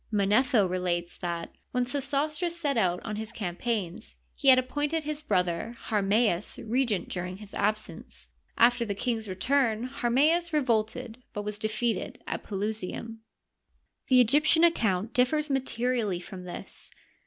Manetho relates that, when Sesostris set out on his campaigns, he had appointed his brother Harmals regent during his absence. After the king's return Harmsds re volted, but was defeated at Pelusium. The Egyptian account differs materially from this.